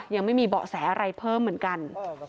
ยังไม่มีเบาะแสอะไรเพิ่มเหมือนกัน